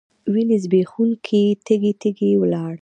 وینې ځبېښونکي تږي، تږي ولاړ